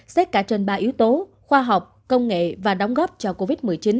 xét cả trên ba yếu tố khoa học công nghệ và đóng góp cho covid một mươi chín